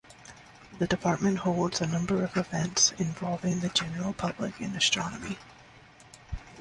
The department holds a number of events involving the general public in astronomy.